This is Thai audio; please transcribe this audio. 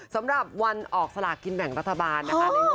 สำหรับวันออกสลากกินแบ่งรัฐบาลนะคะ